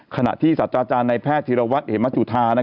ขณะที่สัตว์อาจารย์ในแพทย์ธีรวัตรเหมจุธา